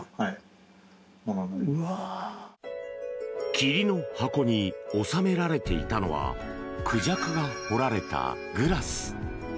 桐の箱に収められていたのはクジャクが彫られたグラス。